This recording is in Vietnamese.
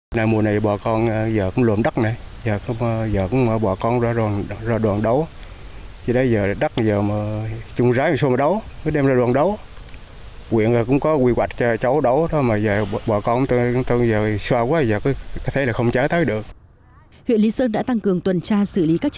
huyện lý sơn đã tăng cường tuần tra xử lý các trường hợp đổ chất thải